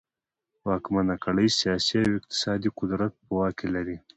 واکمنه کړۍ سیاسي او اقتصادي قدرت په واک کې لري.